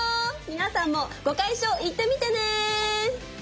皆さんも碁会所行ってみてね！